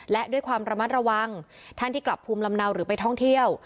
และด้วยความระมัดระวังท่านที่กลับภูมิลำเนาหรือไปท่องเที่ยว